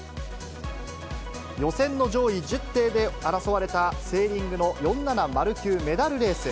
予選の上位１０艇で争われたセーリングの４７０級メダルレース。